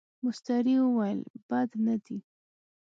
مستري وویل بد نه دي.